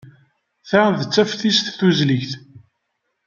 Ta d taftist tusligt.